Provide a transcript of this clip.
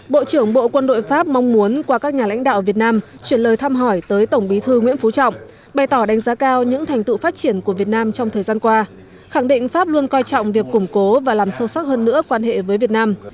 bộ trưởng bộ quân đội pháp mong muốn qua các nhà lãnh đạo việt nam chuyển lời thăm hỏi tới tổng bí thư nguyễn phú trọng bày tỏ đánh giá cao những thành tựu phát triển của việt nam trong thời gian qua khẳng định pháp luôn coi trọng việc củng cố và làm sâu sắc hơn nữa quan hệ với việt nam